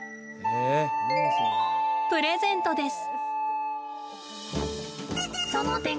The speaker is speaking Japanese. プレゼントです。